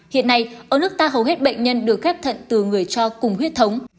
hiện nay ở nước ta hầu hết bệnh nhân được ghép thận từ người cho cùng huyết thống